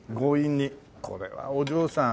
これはお嬢さん。